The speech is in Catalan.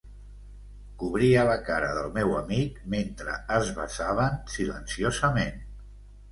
Cobria la cara del meu amic mentre es besaven silenciosament.